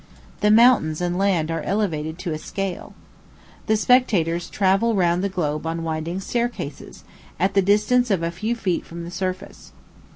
The mountains and land are elevated to a scale. The spectators travel round the globe on winding staircases, at the distance of a few feet from the surface.